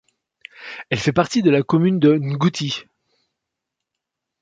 Elle fait partie de la commune de Nguti.